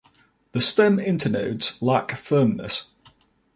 The stem internodes lack firmness.